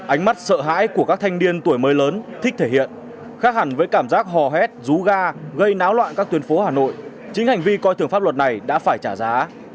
ánh mắt sợ hãi của các thanh niên tuổi mới lớn thích thể hiện khác hẳn với cảm giác hò hét rú ga gây náo loạn các tuyến phố hà nội chính hành vi coi thường pháp luật này đã phải trả giá